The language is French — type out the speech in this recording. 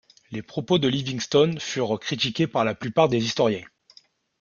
Les propos de Livingstone furent critiqués par la plupart des historiens.